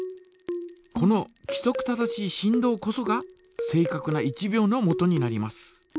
このきそく正しい振動こそが正かくな１秒のもとになります。